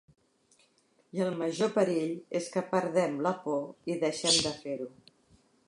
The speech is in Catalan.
I el major perill és que perdem la por i deixem de fer-ho.